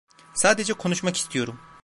Sadece konuşmak istiyorum.